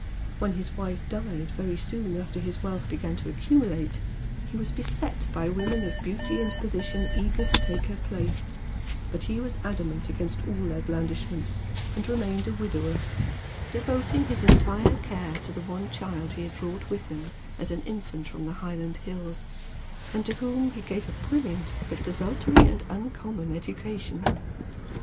When his wife died very soon after his wealth began to accumulate, he was beset by women of beauty and position eager to take her place, but he was adamant against all their blandishments and remained a widower, devoting his entire care to the one child he had brought with him as an infant from the Highland hills, and to whom he gave a brilliant but desultory and uncommon education.